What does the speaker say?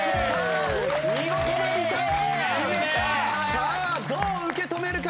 さあどう受け止めるか？